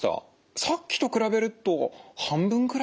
さっきと比べると半分くらいの力ですかね。